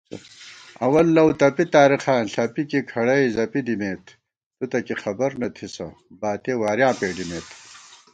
اوَل لَؤ تپی تارېخاں ݪَپی کی کھڑَئی زَپی دِمېت * تُوتہ کی خبر نہ تھِسہ باتِیَہ وارِیاں پېڈِمېت